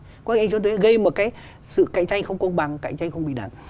có nghĩa là anh đi chốn thuế gây một cái sự cạnh tranh không công bằng cạnh tranh không bình đẳng